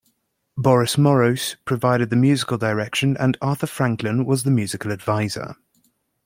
Boris Morros provided the musical direction and Arthur Franklin was the musical adviser.